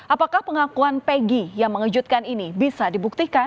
apakah pengakuan peggy yang mengejutkan ini bisa dibuktikan